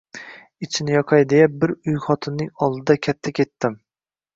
Ichini yoqay deya, bir uy xotinning oldida katta ketdim